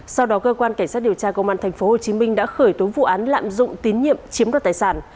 sau đó cơ quan cảnh sát điều tra công an tp hcm đã khởi tố vụ án lạm dụng tín nhiệm chiếm đoạt tài sản